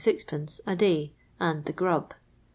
Cd.) a day, and the grub."